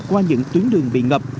qua những tuyến đường bị ngập